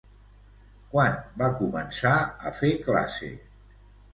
Quan va començar a fer classe?